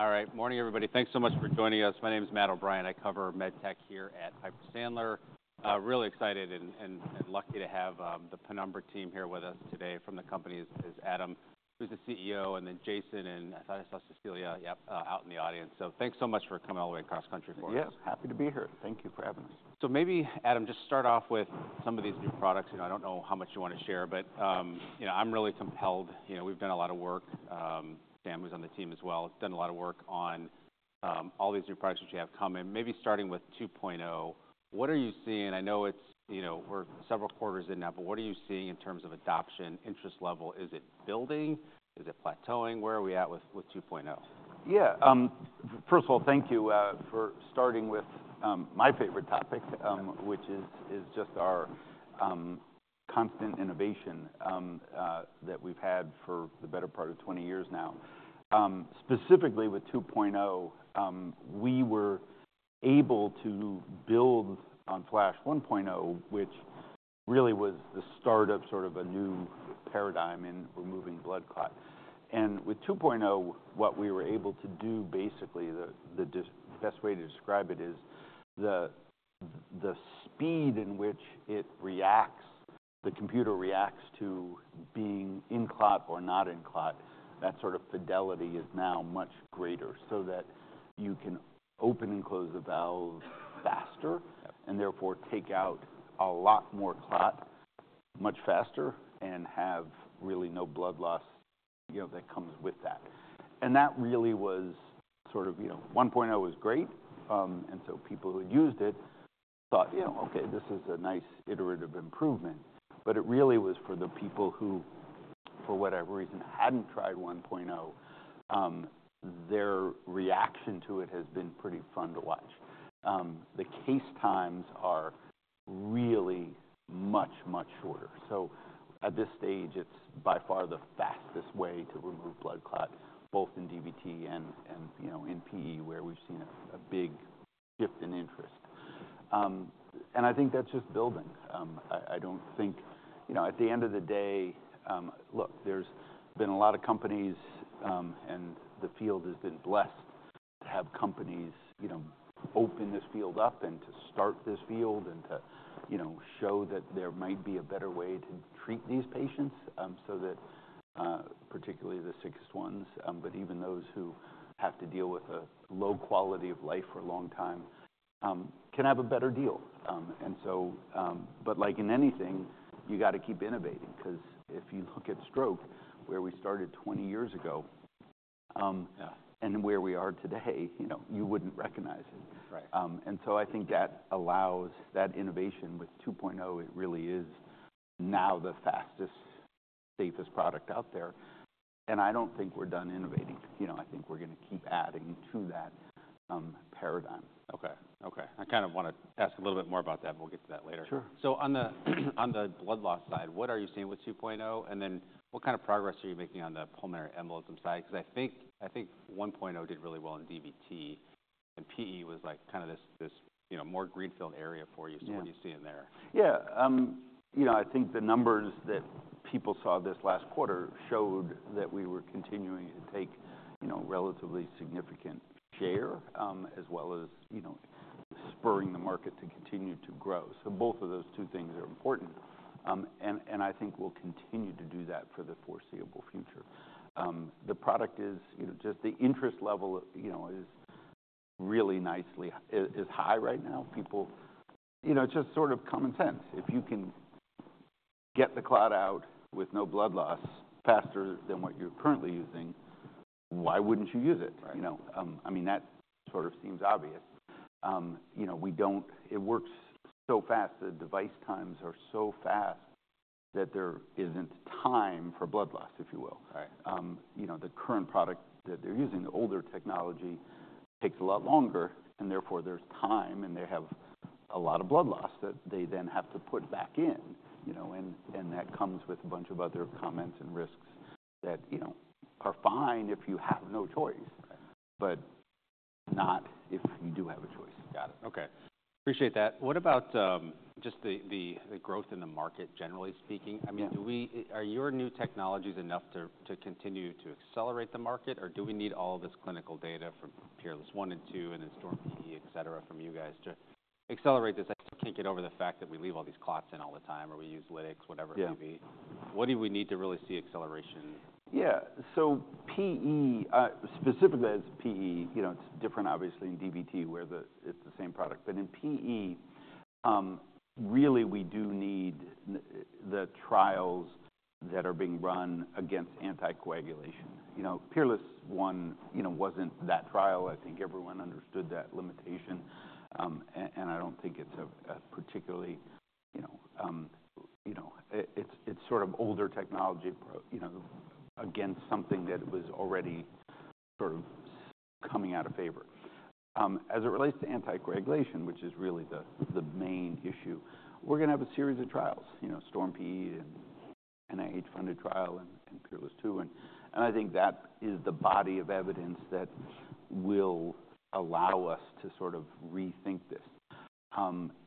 All right. Morning, everybody. Thanks so much for joining us. My name is Matt O'Brien. I cover Med Tech here at Piper Sandler. Really excited and lucky to have the Penumbra team here with us today from the company. Is Adam, who's the CEO, and then Jason and I thought I saw Cecilia, yep, out in the audience. So thanks so much for coming all the way across country for us. Yes. Happy to be here. Thank you for having us. So maybe, Adam, just start off with some of these new products. You know, I don't know how much you wanna share, but, you know, I'm really compelled. You know, we've done a lot of work. Sam, who's on the team as well, has done a lot of work on all these new products that you have coming. Maybe starting with 2.0, what are you seeing? I know it's, you know, we're several quarters in now, but what are you seeing in terms of adoption, interest level? Is it building? Is it plateauing? Where are we at with 2.0? Yeah. First of all, thank you for starting with my favorite topic, which is just our constant innovation that we've had for the better part of 20 years now. Specifically with 2.0, we were able to build on Flash 1.0, which really was the start of sort of a new paradigm in removing blood clot. And with 2.0, what we were able to do, basically, the best way to describe it is the speed in which it reacts, the computer reacts to being in clot or not in clot. That sort of fidelity is now much greater so that you can open and close the valve faster. Yep. And therefore take out a lot more clot much faster and have really no blood loss, you know, that comes with that. And that really was sort of, you know, 1.0 was great. And so people who had used it thought, you know, okay, this is a nice iterative improvement. But it really was for the people who, for whatever reason, hadn't tried 1.0. Their reaction to it has been pretty fun to watch. The case times are really much, much shorter. So at this stage, it's by far the fastest way to remove blood clot, both in DVT and, you know, in PE, where we've seen a big shift in interest. And I think that's just building. I don't think, you know, at the end of the day, look, there's been a lot of companies, and the field has been blessed to have companies, you know, open this field up and to start this field and to, you know, show that there might be a better way to treat these patients, so that, particularly the sickest ones, but even those who have to deal with a low quality of life for a long time, can have a better deal, and so, but like in anything, you gotta keep innovating 'cause if you look at stroke, where we started 20 years ago. Yeah. Where we are today, you know, you wouldn't recognize it. Right. And so I think that allows that innovation with 2.0. It really is now the fastest, safest product out there. And I don't think we're done innovating. You know, I think we're gonna keep adding to that, paradigm. Okay. Okay. I kind of wanna ask a little bit more about that, but we'll get to that later. Sure. So on the blood loss side, what are you seeing with 2.0? And then what kind of progress are you making on the pulmonary embolism side? 'Cause I think 1.0 did really well in DVT, and PE was like kind of this, you know, more greenfield area for you. Yeah. So what are you seeing there? Yeah. You know, I think the numbers that people saw this last quarter showed that we were continuing to take, you know, relatively significant share, as well as, you know, spurring the market to continue to grow. So both of those two things are important, and I think we'll continue to do that for the foreseeable future. The product is, you know, just the interest level, you know, is really nicely is high right now. People, you know, it's just sort of common sense. If you can get the clot out with no blood loss faster than what you're currently using, why wouldn't you use it? Right. You know, I mean, that sort of seems obvious. You know, we don't, it works so fast. The device times are so fast that there isn't time for blood loss, if you will. Right. You know, the current product that they're using, the older technology, takes a lot longer, and therefore there's time, and they have a lot of blood loss that they then have to put back in, you know, and, and that comes with a bunch of other comments and risks that, you know, are fine if you have no choice, but not if you do have a choice. Got it. Okay. Appreciate that. What about, just the growth in the market, generally speaking? Yeah. I mean, do we, are your new technologies enough to, to continue to accelerate the market, or do we need all of this clinical data from PEERLESS I and II and then STORM-PE, etc., from you guys to accelerate this? I still can't get over the fact that we leave all these clots in all the time, or we use lytics, whatever it may be. Yeah. What do we need to really see acceleration? Yeah. So PE, specifically as PE, you know, it's different, obviously, in DVT where it's the same product. But in PE, really we do need the trials that are being run against anticoagulation. You know, PEERLESS, you know, wasn't that trial. I think everyone understood that limitation. And I don't think it's a particularly, you know, it's sort of older technology pro, you know, against something that was already sort of coming out of favor. As it relates to anticoagulation, which is really the main issue, we're gonna have a series of trials, you know, STORM-PE and NIH-funded trial and PEERLESS II. And I think that is the body of evidence that will allow us to sort of rethink this.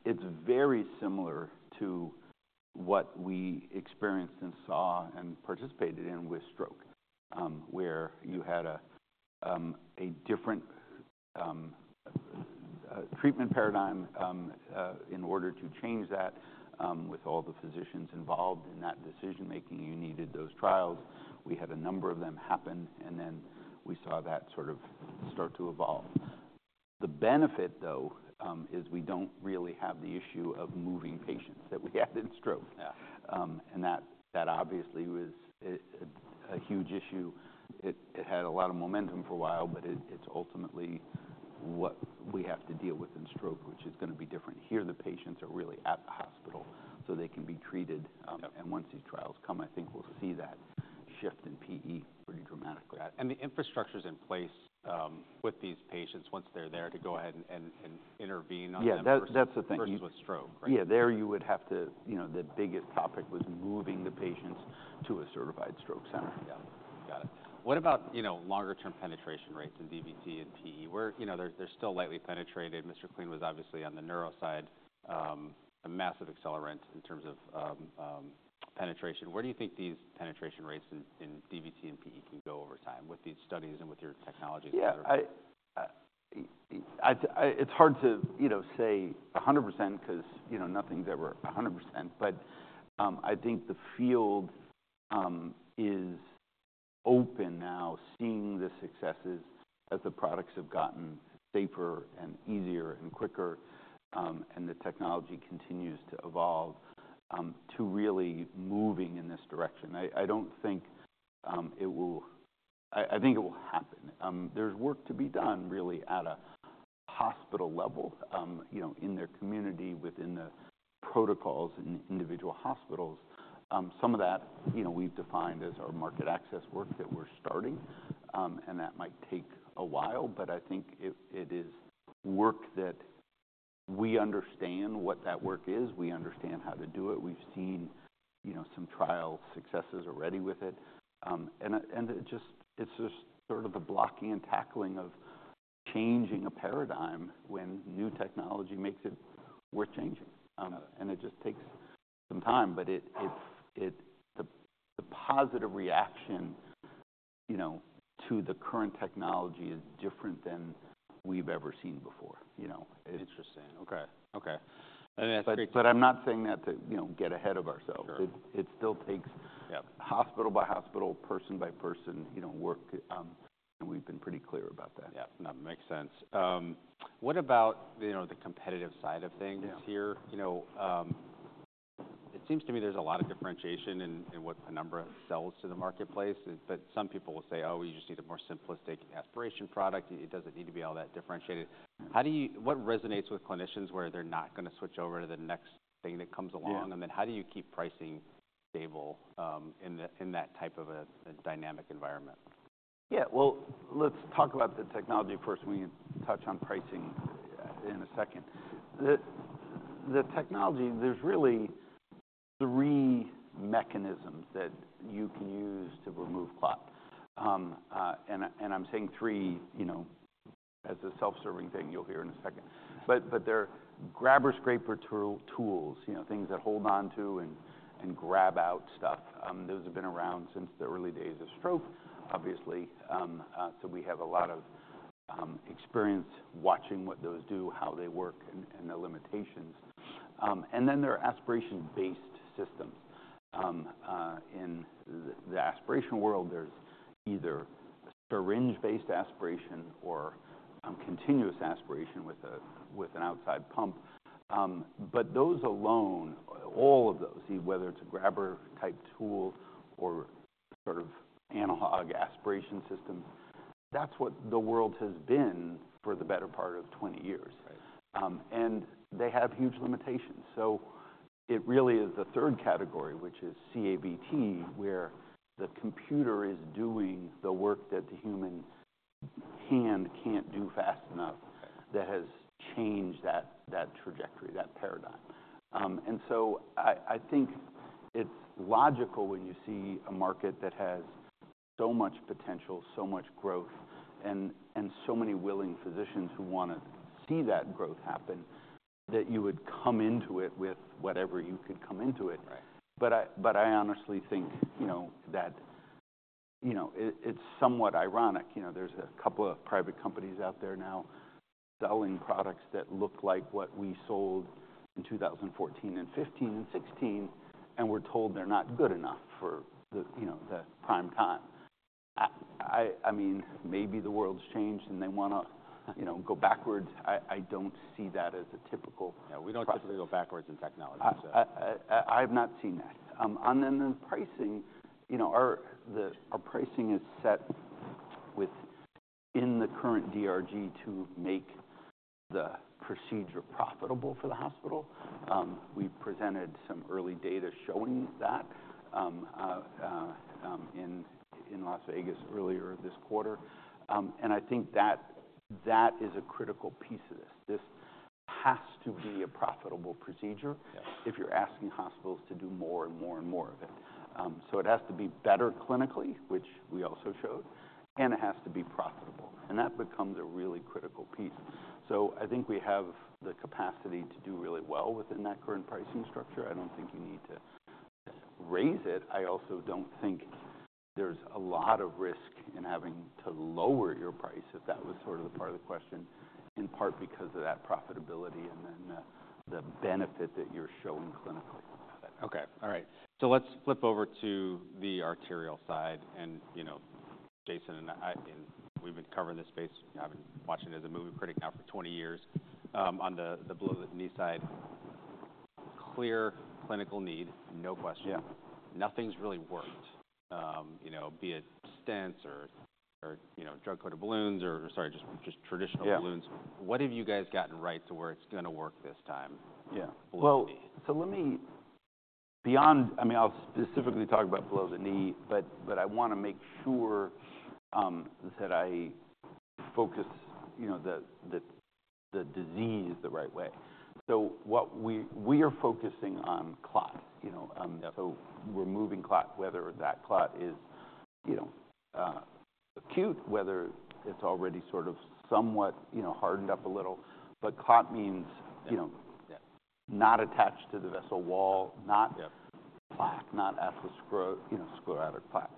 It's very similar to what we experienced and saw and participated in with stroke, where you had a, a different, treatment paradigm, in order to change that. With all the physicians involved in that decision-making, you needed those trials. We had a number of them happen, and then we saw that sort of start to evolve. The benefit, though, is we don't really have the issue of moving patients that we had in stroke. Yeah. And that obviously was a huge issue. It had a lot of momentum for a while, but it's ultimately what we have to deal with in stroke, which is gonna be different here. The patients are really at the hospital so they can be treated. Yep. And once these trials come, I think we'll see that shift in PE pretty dramatically. Got it. And the infrastructure's in place, with these patients once they're there to go ahead and intervene on them for. Yeah. That's, that's the thing. Versus with stroke, right? Yeah. There you would have to, you know, the biggest topic was moving the patients to a certified stroke center. Yep. Got it. What about, you know, longer-term penetration rates in DVT and PE? Where, you know, they're, they're still lightly penetrated. MR CLEAN was obviously on the neuro side, a massive accelerant in terms of, penetration. Where do you think these penetration rates in, in DVT and PE can go over time with these studies and with your technologies? Yeah. It's hard to, you know, say 100% 'cause, you know, nothing's ever 100%. But, I think the field is open now, seeing the successes as the products have gotten safer and easier and quicker, and the technology continues to evolve, to really moving in this direction. I don't think it will. I think it will happen. There's work to be done really at a hospital level, you know, in their community, within the protocols in individual hospitals. Some of that, you know, we've defined as our market access work that we're starting, and that might take a while, but I think it is work that we understand what that work is. We understand how to do it. We've seen, you know, some trial successes already with it and it's just sort of the blocking and tackling of changing a paradigm when new technology makes it worth changing. Got it. And it just takes some time, but the positive reaction, you know, to the current technology is different than we've ever seen before, you know. Interesting. Okay. Let me ask you. But I'm not saying that to, you know, get ahead of ourselves. Sure. It still takes. Yep. Hospital by hospital, person by person, you know, work, and we've been pretty clear about that. Yep. No, makes sense. What about, you know, the competitive side of things here? Yeah. You know, it seems to me there's a lot of differentiation in what Penumbra sells to the marketplace. But some people will say, "Oh, we just need a more simplistic aspiration product. It doesn't need to be all that differentiated." How do you, what resonates with clinicians where they're not gonna switch over to the next thing that comes along? Yeah. How do you keep pricing stable in that type of a dynamic environment? Yeah. Well, let's talk about the technology first. We can touch on pricing in a second. The technology, there's really three mechanisms that you can use to remove clot, and I'm saying three, you know, as a self-serving thing you'll hear in a second, but they're grabber, scraper, tools, you know, things that hold onto and grab out stuff. Those have been around since the early days of stroke, obviously, so we have a lot of experience watching what those do, how they work, and the limitations, and then there are aspiration-based systems. In the aspiration world, there's either syringe-based aspiration or continuous aspiration with an outside pump, but those alone, all of those, whether it's a grabber-type tool or sort of analog aspiration systems, that's what the world has been for the better part of 20 years. Right. And they have huge limitations. So it really is the third category, which is CAVT, where the computer is doing the work that the human hand can't do fast enough. Right. That has changed that trajectory, that paradigm, and so I think it's logical when you see a market that has so much potential, so much growth, and so many willing physicians who wanna see that growth happen that you would come into it with whatever you could come into it. Right. I honestly think, you know, that, you know, it, it's somewhat ironic. You know, there's a couple of private companies out there now selling products that look like what we sold in 2014 and 2015 and 2016, and we're told they're not good enough for the, you know, the prime time. I mean, maybe the world's changed and they wanna, you know, go backwards. I don't see that as a typical. Yeah. We don't typically go backwards in technology, so. I have not seen that. And then the pricing, you know, our pricing is set within the current DRG to make the procedure profitable for the hospital. We presented some early data showing that in Las Vegas earlier this quarter. And I think that is a critical piece of this. This has to be a profitable procedure. Yep. If you're asking hospitals to do more and more and more of it. So it has to be better clinically, which we also showed, and it has to be profitable. And that becomes a really critical piece. So I think we have the capacity to do really well within that current pricing structure. I don't think you need to raise it. I also don't think there's a lot of risk in having to lower your price, if that was sort of the part of the question, in part because of that profitability and then the benefit that you're showing clinically. Got it. Okay. All right. So let's flip over to the arterial side. And, you know, Jason and I and we've been covering this space. I've been watching it as a movie critic now for 20 years. On the below-the-knee side, clear clinical need, no question. Yeah. Nothing's really worked, you know, be it stents or, you know, drug-coated balloons or, sorry, just traditional balloons. Yeah. What have you guys gotten right to where it's gonna work this time? Yeah. Below-the-knee. So let me, I mean, I'll specifically talk about below-the-knee, but I wanna make sure that I focus, you know, the disease the right way. So what we are focusing on clot, you know. Yep. So removing clot, whether that clot is, you know, acute, whether it's already sort of somewhat, you know, hardened up a little. But clot means, you know. Yep. Not attached to the vessel wall, not. Yep. Plaque, not atherosclerotic, you know, sclerotic plaque.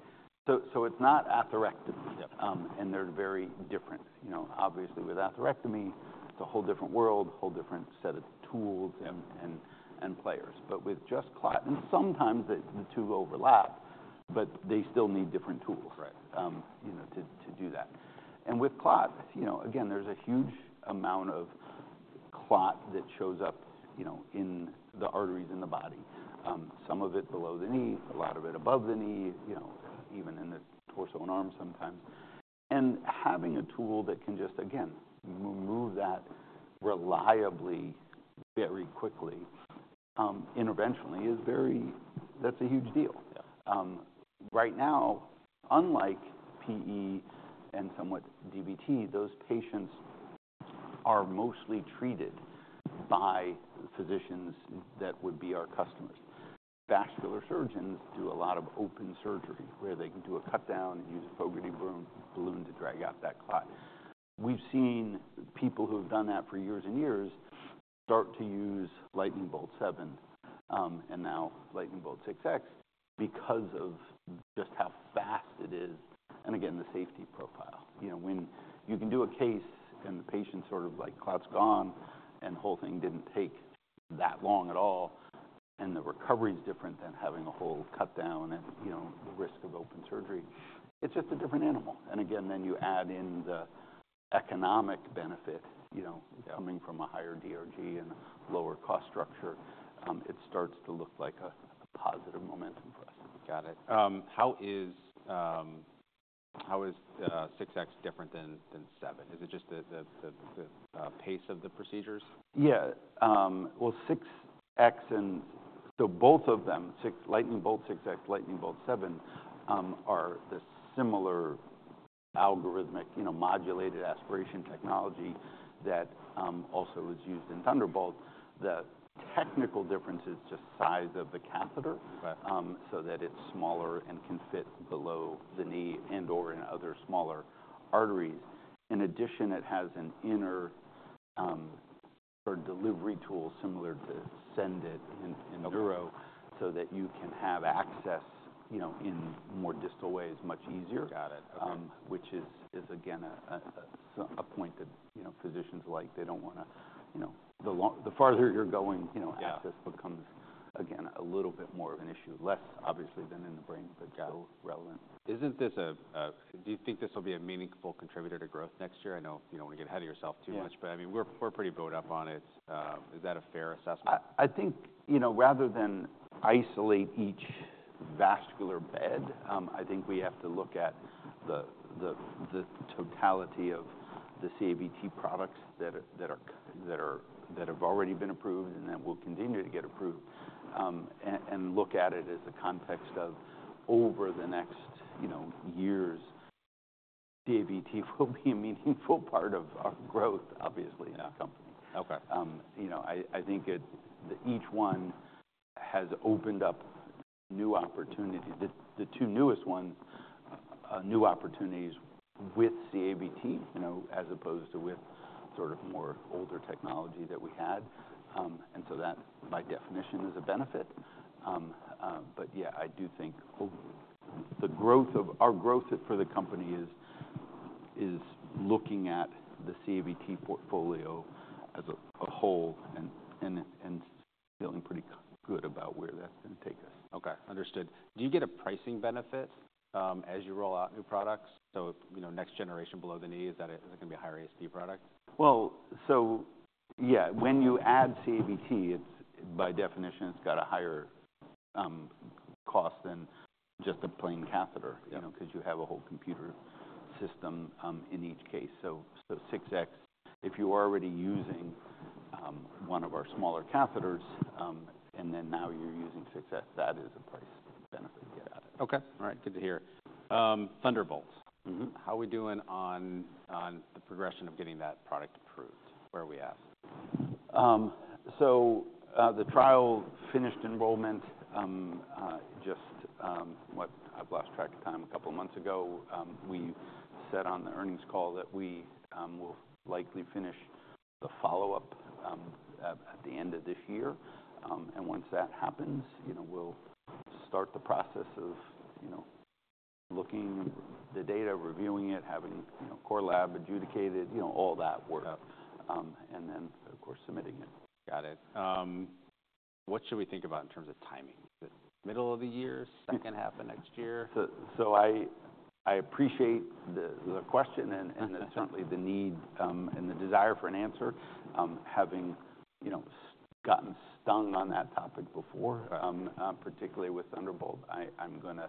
So, it's not atherectomy. Yep. And they're very different. You know, obviously with atherectomy, it's a whole different world, a whole different set of tools and players. But with just clot, and sometimes the two overlap, but they still need different tools. Right. You know, to do that. And with clot, you know, again, there's a huge amount of clot that shows up, you know, in the arteries in the body. Some of it below the knee, a lot of it above the knee, you know, even in the torso and arm sometimes. And having a tool that can just, again, move that reliably, very quickly, interventionally is very, that's a huge deal. Yeah. Right now, unlike PE and somewhat DVT, those patients are mostly treated by physicians that would be our customers. Vascular surgeons do a lot of open surgery where they can do a cutdown and use a Fogarty balloon to drag out that clot. We've seen people who have done that for years and years start to use Lightning Bolt 7, and now Lightning Bolt 6X because of just how fast it is. And again, the safety profile. You know, when you can do a case and the patient's sort of like clot's gone and the whole thing didn't take that long at all, and the recovery's different than having a whole cutdown and, you know, the risk of open surgery, it's just a different animal. And again, then you add in the economic benefit, you know. Yep. Coming from a higher DRG and a lower cost structure, it starts to look like a positive momentum for us. Got it. How is 6X different than 7? Is it just the pace of the procedures? Yeah, well, 6X and so both of them, Lightning Bolt 6X, Lightning Bolt 7, are the similar algorithmic, you know, modulated aspiration technology that also is used in Thunderbolt. The technical difference is just size of the catheter. Right. So that it's smaller and can fit below the knee and/or in other smaller arteries. In addition, it has an inner, sort of delivery tool similar to SENDit in neuro so that you can have access, you know, in more distal ways much easier. Got it. Okay. Which is again a point that, you know, physicians like. They don't wanna, you know, the farther you're going, you know, access becomes. Yep. Again, a little bit more of an issue, less obviously than in the brain, but still relevant. Isn't this do you think this will be a meaningful contributor to growth next year? I know, you know, when you get ahead of yourself too much. Yeah. But I mean, we're, we're pretty booted up on it. Is that a fair assessment? I think, you know, rather than isolate each vascular bed, I think we have to look at the totality of the CAVT products that have already been approved and that will continue to get approved, and look at it as a context of over the next, you know, years, CAVT will be a meaningful part of our growth, obviously. Yeah. As a company. Okay. You know, I think that each one has opened up new opportunities. The two newest ones, new opportunities with CAVT, you know, as opposed to with sort of more older technology that we had. And so that, by definition, is a benefit. But yeah, I do think the growth of our growth for the company is looking at the CAVT portfolio as a whole and feeling pretty good about where that's gonna take us. Okay. Understood. Do you get a pricing benefit, as you roll out new products? So if, you know, next generation below the knee, is that a, is it gonna be a higher ASP product? So yeah, when you add CAVT, it's by definition got a higher cost than just a plain catheter. Yep. You know, 'cause you have a whole computer system in each case. So, so 6X, if you're already using one of our smaller catheters, and then now you're using 6X, that is a price benefit you get out of it. Okay. All right. Good to hear. Thunderbolt. Mm-hmm. How are we doing on the progression of getting that product approved? Where are we at? So, the trial finished enrollment, just, what, I've lost track of time a couple of months ago. We set on the earnings call that we will likely finish the follow-up at the end of this year. And once that happens, you know, we'll start the process of, you know, looking at the data, reviewing it, having, you know, core lab adjudicated, you know, all that work. Yep. And then, of course, submitting it. Got it. What should we think about in terms of timing? The middle of the year? Yeah. Second half of next year? I appreciate the question and. Yep. Certainly, the need and the desire for an answer. Having, you know, gotten stung on that topic before, particularly with Thunderbolt, I'm gonna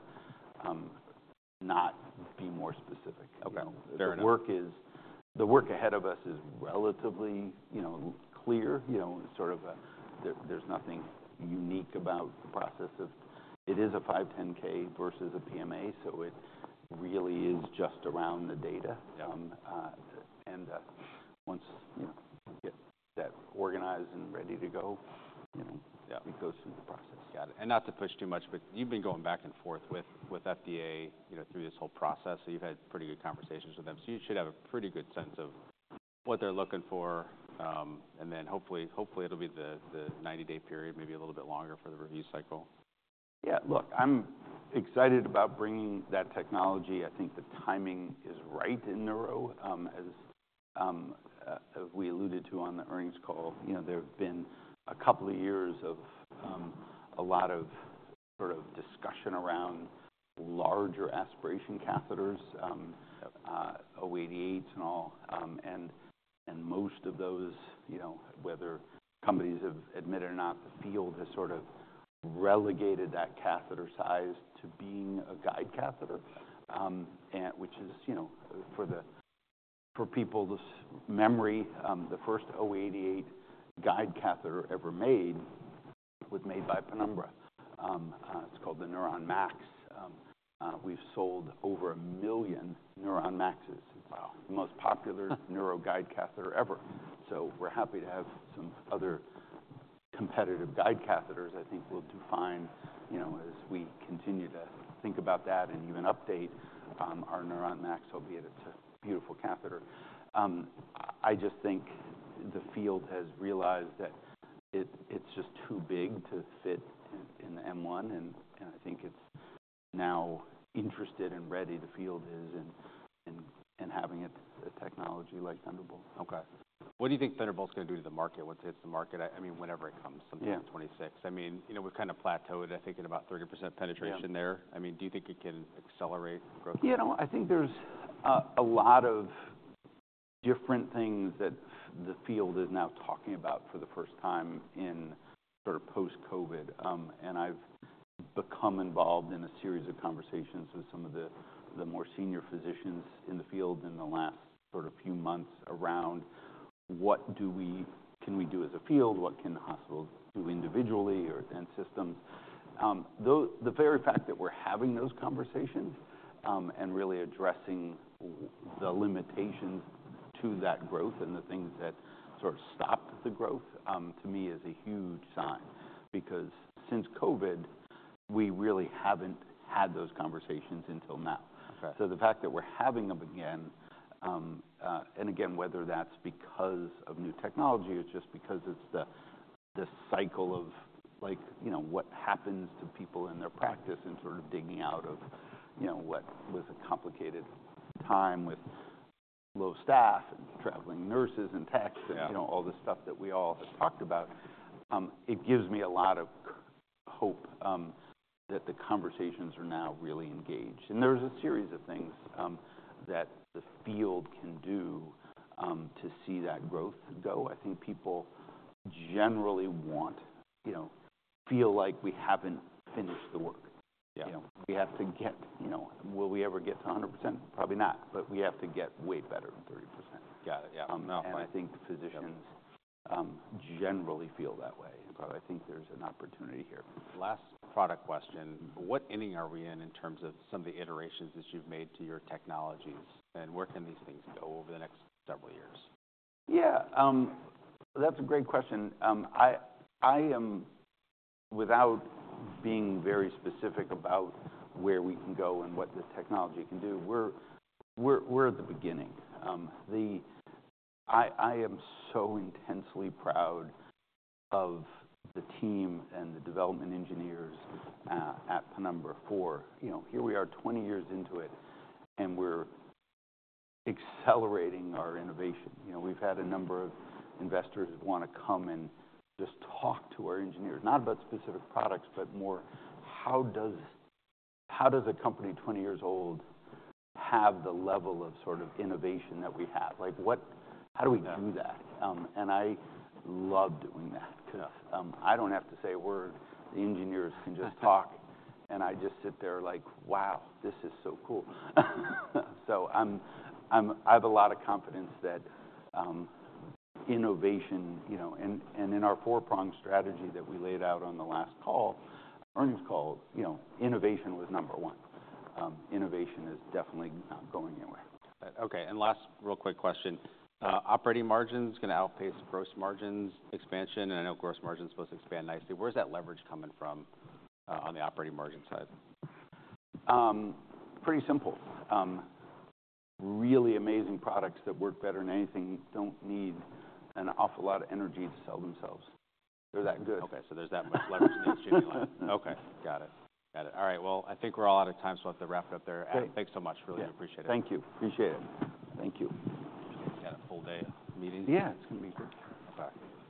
not be more specific. Okay. Fair enough. You know, the work ahead of us is relatively, you know, clear, you know. Sort of, there's nothing unique about the process of it. Is it a 510(k) versus a PMA, so it really is just around the data. Yep. And once you know, get that organized and ready to go, you know. Yep. It goes through the process. Got it. And not to push too much, but you've been going back and forth with FDA, you know, through this whole process, so you've had pretty good conversations with them. So you should have a pretty good sense of what they're looking for. And then hopefully it'll be the 90-day period, maybe a little bit longer for the review cycle. Yeah. Look, I'm excited about bringing that technology. I think the timing is right in neuro, as we alluded to on the earnings call, you know, there've been a couple of years of, a lot of sort of discussion around larger aspiration catheters, Yep. 088s and all, and most of those, you know, whether companies have admitted or not, the field has sort of relegated that catheter size to being a guide catheter. Yep. And which is, you know, for people's memory, the first 088 guide catheter ever made was made by Penumbra. It's called the Neuron MAX. We've sold over a million Neuron MAXes. Wow. It's the most popular neuro guide catheter ever. So we're happy to have some other competitive guide catheters. I think we'll do fine, you know, as we continue to think about that and even update our Neuron MAX, albeit it's a beautiful catheter. I just think the field has realized that it's just too big to fit in the M1, and I think the field is now interested and ready in having a technology like Thunderbolt. Okay. What do you think Thunderbolt's gonna do to the market once it hits the market? I mean, whenever it comes. Yeah. Something in 2026. I mean, you know, we've kind of plateaued, I think, at about 30% penetration there. Yeah. I mean, do you think it can accelerate growth? You know, I think there's a lot of different things that the field is now talking about for the first time in sort of post-COVID, and I've become involved in a series of conversations with some of the more senior physicians in the field in the last sort of few months around what do we, can we do as a field, what can hospitals do individually or then systems, though the very fact that we're having those conversations, and really addressing the limitations to that growth and the things that sort of stopped the growth, to me is a huge sign because since COVID, we really haven't had those conversations until now. Okay. So the fact that we're having them again, and again, whether that's because of new technology or just because it's the cycle of, like, you know, what happens to people in their practice and sort of digging out of, you know, what was a complicated time with low staff and traveling nurses and techs and, you know. Yeah. All the stuff that we all have talked about. It gives me a lot of hope that the conversations are now really engaged, and there's a series of things that the field can do to see that growth go. I think people generally want, you know, feel like we haven't finished the work. Yeah. You know, we have to get, you know, will we ever get to 100%? Probably not, but we have to get way better than 30%. Got it. Yeah. And I think physicians, generally feel that way. Okay. So I think there's an opportunity here. Last product question. What inning are we in terms of some of the iterations that you've made to your technologies? And where can these things go over the next several years? Yeah, that's a great question. I am, without being very specific about where we can go and what this technology can do, we're at the beginning. I am so intensely proud of the team and the development engineers at Penumbra for you know, here we are 20 years into it, and we're accelerating our innovation. You know, we've had a number of investors who wanna come and just talk to our engineers, not about specific products, but more how does a company 20 years old have the level of sort of innovation that we have? Like, what, how do we do that, and I love doing that 'cause I don't have to say a word. The engineers can just talk, and I just sit there like, "Wow, this is so cool." So I have a lot of confidence that innovation, you know, and in our four-prong strategy that we laid out on the last call, earnings call, you know, innovation was number one. Innovation is definitely not going anywhere. Got it. Okay. And last real quick question. Operating margin's gonna outpace gross margins expansion, and I know gross margins supposed to expand nicely. Where's that leverage coming from, on the operating margin side? Pretty simple. Really amazing products that work better than anything don't need an awful lot of energy to sell themselves. They're that good. Okay. So there's that much leverage in the industry if you like. Okay. Got it. Got it. All right. Well, I think we're all out of time, so I have to wrap it up there. Great. Thanks so much. Really appreciate it. Thank you. Appreciate it. Thank you. Appreciate it. Got a full day of meetings. Yeah. It's gonna be great. Okay.